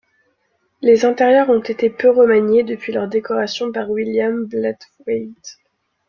Les intérieurs ont été peu remaniés depuis leur décoration par William Blathwayt.